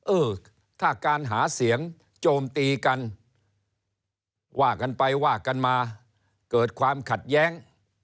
เออถ้าการหาเสียงโจมตีกันว่ากันไปว่ากันมาเกิดความขัดแย้ง